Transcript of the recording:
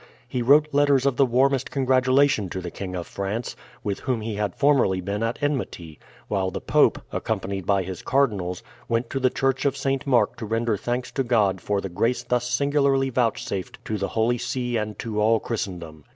He wrote letters of the warmest congratulation to the King of France, with whom he had formerly been at enmity; while the Pope, accompanied by his cardinals, went to the church of St. Mark to render thanks to God for the grace thus singularly vouchsafed to the Holy See and to all Christendom.